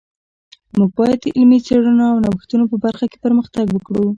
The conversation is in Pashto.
موږ باید د علمي څیړنو او نوښتونو په برخه کی پرمختګ ورکړو